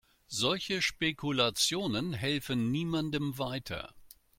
Solche Spekulationen helfen niemandem weiter.